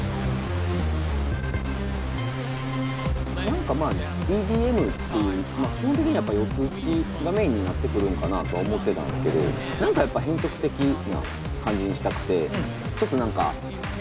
何かまあＥＤＭっていう基本的にはやっぱ４つ打ちがメインになってくるんかなとは思ってたんですけど何かやっぱ変則的な感じにしたくてちょっと何かえっと